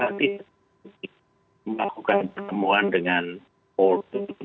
jadi melakukan penemuan dengan polri